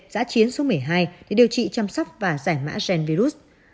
giã chiến số một mươi hai để điều trị chăm sóc và giải mã gen virus